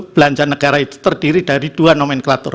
belanja negara itu terdiri dari dua nomenklatur